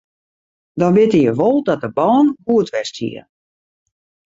Dan witte je wol dat de bân goed west hie.